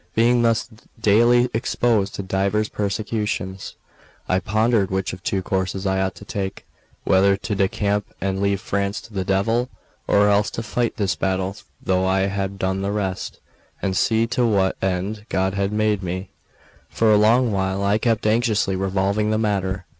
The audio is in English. Being thus daily exposed to divers persecutions, I pondered which of two courses I ought to take; whether to decamp and leave France to the devil, or else to fight this battle through as I had done the rest, and see to what end God had made me. For a long while I kept anxiously revolving the matter.